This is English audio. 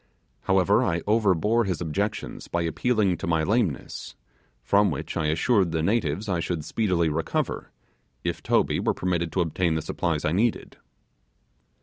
However, I overbore his objections by appealing to my lameness; from which I assured the natives I should speedily recover if Toby were permitted to obtain the supplies I needed.